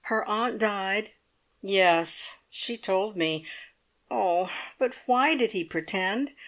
Her aunt died " "Yes. She told me. Oh, but why did he pretend?